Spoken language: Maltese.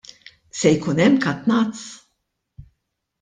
Se jkun hemm katnazz?